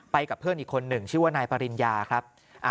กับเพื่อนอีกคนหนึ่งชื่อว่านายปริญญาครับ